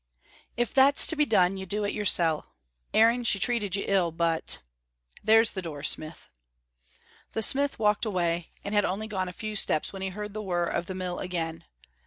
"If that's to be done, you do it yoursel'. Aaron, she treated you ill, but " "There's the door, smith." The smith walked away, and had only gone a few steps when he heard the whirr of the mill again.